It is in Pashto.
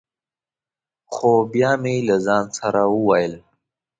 خو بیا مې له ځان سره ویل: